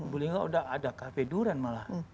bu linggau udah ada cafe durian malah